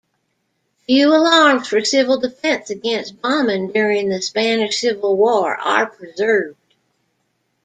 Few alarms for civil defense against bombing during the Spanish Civil War are preserved.